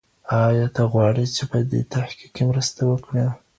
ایا ته غواړې چي په دې تحقیق کې مرسته وکړې؟